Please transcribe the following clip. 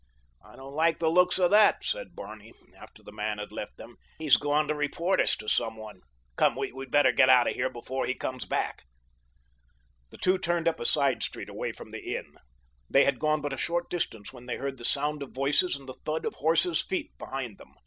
"I don't like the looks of that," said Barney, after the man had left them. "He's gone to report us to someone. Come, we'd better get out of here before he comes back." The two turned up a side street away from the inn. They had gone but a short distance when they heard the sound of voices and the thud of horses' feet behind them.